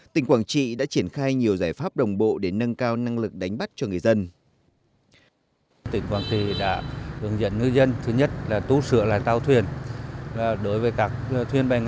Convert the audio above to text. tỉnh quảng trị đã triển khai nhiều giải pháp đồng bộ để nâng cao năng lực đánh bắt cho người dân